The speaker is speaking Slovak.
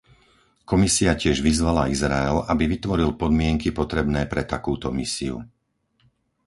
Komisia tiež vyzvala Izrael, aby vytvoril podmienky potrebné pre takúto misiu.